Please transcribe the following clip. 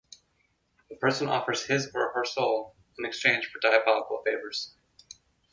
The person offers his or her soul in exchange for diabolical favours.